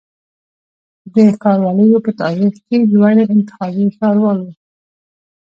د ښاروالیو په تاریخ کي لوړی انتخابي ښاروال و